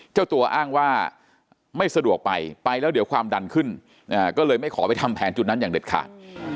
เจ้าตัวอ้างว่าไม่สะดวกไปไปแล้วเดี๋ยวความดันขึ้นก็เลยไม่ขอไปทำแผนจุดนั้นอย่างเด็ดขาด